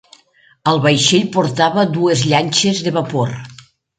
El vaixell portava dues llanxes de vapor.